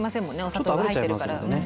お砂糖が入ってるから。